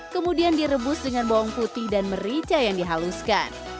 kemudian direbus dengan bawang putih dan merica yang dihaluskan